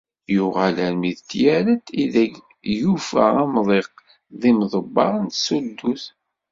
Yuɣal armi d Tyaret ideg yufa amḍiq d imḍebber n tsuddut.